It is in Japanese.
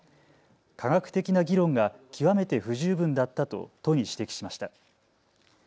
科学的な議論が極めて不十分だったと都に指摘しました。